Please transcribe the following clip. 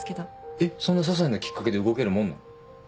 えっそんな些細なきっかけで動けるもんなの？